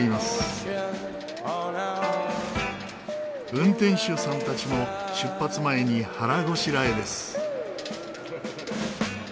運転手さんたちも出発前に腹ごしらえです。